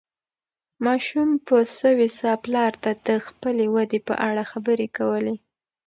ماشوم په سوې ساه پلار ته د خپلې ودې په اړه خبرې کولې.